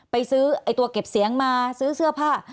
ไปซื้อไอ้ตัวเก็บเสียงมาซื้อเสื้อผ้า